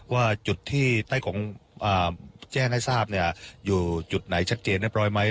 ว่าจุดที่ใต้กงแจ้งให้ทราบอยู่จุดไหนชัดเจนเรียบร้อยไหม